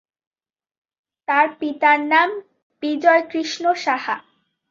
তার পিতার নাম বিজয়কৃষ্ণ সাহা।